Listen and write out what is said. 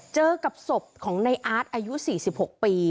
เจอกับศพของในอาร์ตอายุ๔๖ปี